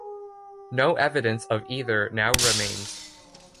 No evidence of either now remains.